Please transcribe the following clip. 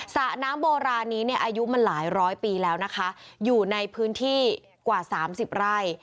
สระน้ำโบราณนี้เนี่ยอายุมันหลายร้อยปีแล้วนะคะอยู่ในพื้นที่กว่า๓๐ไร่